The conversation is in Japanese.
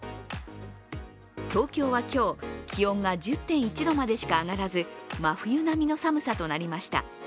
東京は今日、気温が１０．１度までしか上がらず真冬並みの寒さとなりました。